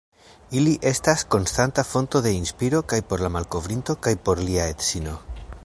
Ili estas konstanta fonto de inspiro kaj por la malkovrinto kaj por lia edzino.